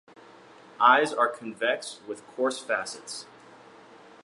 Eyes are convex with coarse facets.